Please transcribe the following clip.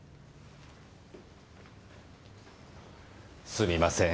すみません。